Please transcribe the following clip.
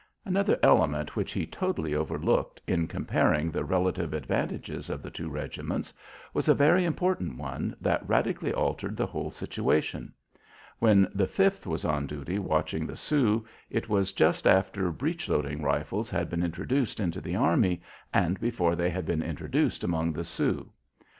Another element which he totally overlooked in comparing the relative advantages of the two regiments was a very important one that radically altered the whole situation. When the Fifth was on duty watching the Sioux, it was just after breech loading rifles had been introduced into the army, and before they had been introduced among the Sioux.